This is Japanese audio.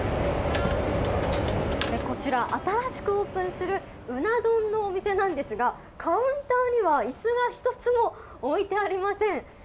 こちら新しくオープンするうな丼のお店なんですがカウンターには椅子が１つも置いてありません。